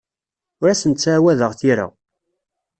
Ur asen-ttɛawadeɣ tira.